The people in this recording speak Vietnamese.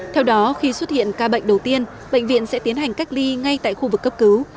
theo đó khi xuất hiện ca bệnh đầu tiên bệnh viện sẽ tiến hành cách ly ngay tại khu vực cấp cứu